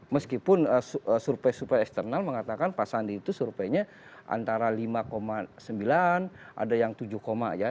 meskipun survei survei eksternal mengatakan pak sandi itu surveinya antara lima sembilan ada yang tujuh ya